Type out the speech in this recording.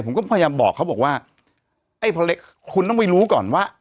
ผมก็พยายามบอกเขาบอกว่าไอ้พอเล็กคุณต้องไปรู้ก่อนว่า